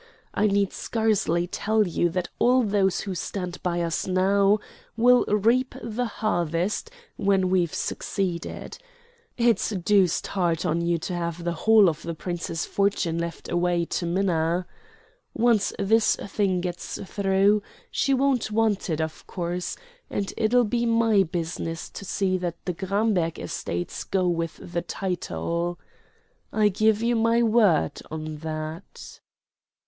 I need scarcely tell you that those who stand by us now will reap the harvest when we've succeeded. It's deuced hard on you to have the whole of the Prince's fortune left away to Minna. Once this thing gets through she won't want it, of course; and it'll be my business to see that the Gramberg estates go with the title. I give you my word on that."